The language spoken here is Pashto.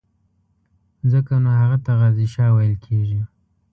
ځکه نو هغه ته غازي شاه ویل کېږي.